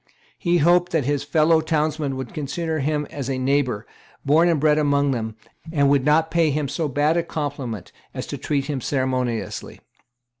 He hoped that his kind fellow townsmen would consider him as a neighbour, born and bred among them, and would not pay him so bad a compliment as to treat him ceremoniously.